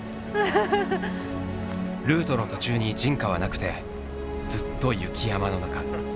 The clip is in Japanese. ルートの途中に人家はなくてずっと雪山の中。